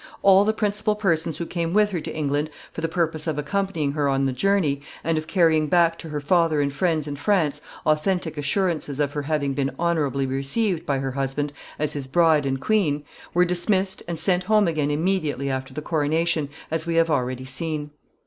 All the principal persons who came with her to England, for the purpose of accompanying her on the journey, and of carrying back to her father and friends in France authentic assurances of her having been honorably received by her husband as his bride and queen, were dismissed and sent home again immediately after the coronation, as we have already seen.